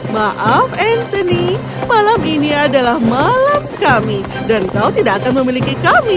maaf anthony malam ini adalah malam kami dan kau tidak akan memiliki kami